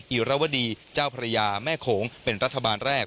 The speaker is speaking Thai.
อิรวดีเจ้าพระยาแม่โขงเป็นรัฐบาลแรก